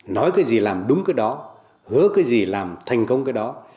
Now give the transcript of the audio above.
nói cái gì làm đúng cái đó hứa cái gì làm thành công cái đó